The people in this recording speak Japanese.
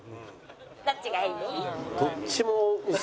どっちがいい？